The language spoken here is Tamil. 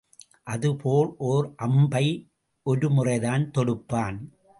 அதே போல் ஓர் அம்பை ஒரு முறைதான் தொடுப்பான்.